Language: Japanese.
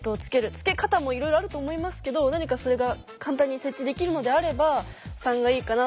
つけ方もいろいろあると思いますけど何かそれが簡単に設置できるのであれば３がいいかな。